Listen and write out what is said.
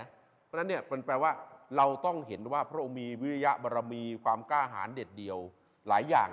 เพราะฉะนั้นเนี่ยมันแปลว่าเราต้องเห็นว่าพระองค์มีวิริยบรมีความกล้าหารเด็ดเดี่ยวหลายอย่าง